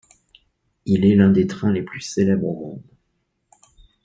Il est l’un des trains les plus célèbres au monde.